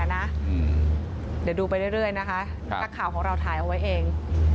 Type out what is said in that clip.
เดี๋ยวดูไปเรื่อยนะคะนักข่าวของเราถ่ายเอาไว้เอง